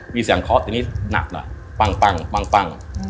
มีเสียงคอร์สที่นี่หนักน่ะปัง